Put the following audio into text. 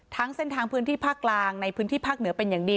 เส้นทางพื้นที่ภาคกลางในพื้นที่ภาคเหนือเป็นอย่างดี